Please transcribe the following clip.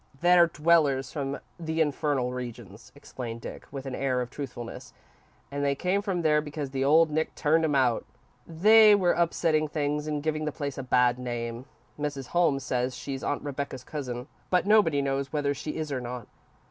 "They're dwellers from the infernal regions," explained Dick, with an air of truthfulness, "and they came from there because the old Nick turned 'em out. They were upsetting things and giving the place a bad name. Mrs. Holmes says she's Aunt Rebecca's cousin, but nobody knows whether she is or not.